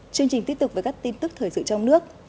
chương trình tiếp tục với các tin tức thời sự trong nước